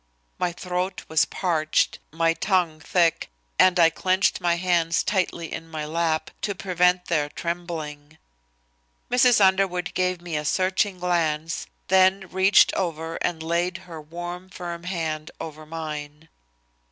My throat was parched, my tongue thick, and I clenched my hands tightly in my lap to prevent their trembling. Mrs. Underwood gave me a searching glance, then reached over and laid her warm, firm hand over mine.